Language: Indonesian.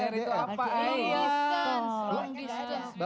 bapaknya enggak ada